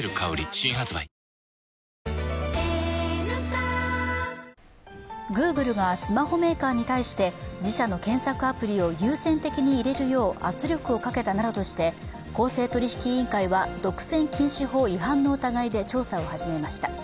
新発売Ｇｏｏｇｌｅがスマホメーカーに対して自社の検索アプリを優先的に入れるよう圧力をかけたなどとして公正取引委員会は独占禁止法違反の疑いで調査を始めました。